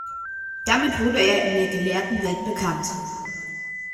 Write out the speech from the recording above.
Damit wurde er in der gelehrten Welt bekannt.